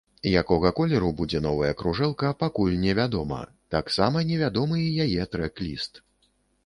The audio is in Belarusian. Якога колеру будзе новая кружэлка, пакуль не вядома, таксама невядомы і яе трэк-ліст.